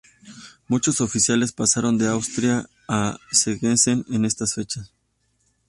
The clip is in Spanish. Muchos oficiales pasaron de Austria a Szeged en estas fechas.